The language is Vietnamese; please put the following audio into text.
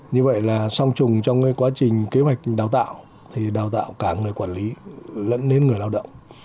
như vậy là song trùng trong quá trình kế hoạch đào tạo thì đào tạo cả người quản lý lẫn đến người lao động